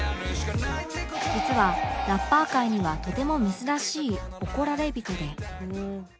実はラッパー界にはとても珍しい怒られびとで